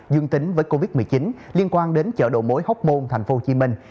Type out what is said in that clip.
dương tính với covid một mươi chín liên quan đến chợ đồ mối hóc môn thành phố hồ chí minh